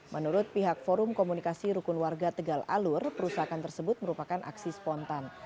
menurut pihak forum komunikasi rukun warga tegal alur perusakan tersebut merupakan aksi spontan